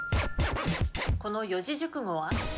この四字熟語は？